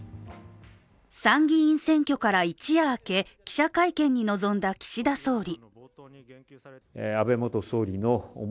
参議院選挙から一夜明け、記者会見に臨んだ岸田総理。